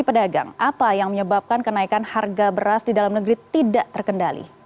pedagang apa yang menyebabkan kenaikan harga beras di dalam negeri tidak terkendali